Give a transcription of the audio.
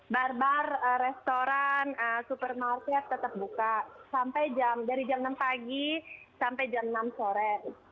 bar bar restoran supermarket tetap buka sampai jam dari jam enam pagi sampai jam enam sore